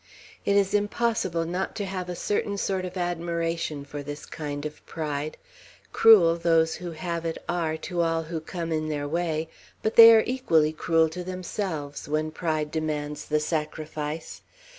It is impossible not to have a certain sort of admiration for this kind of pride. Cruel, those who have it, are to all who come in their way; but they are equally cruel to themselves, when pride demands the sacrifice.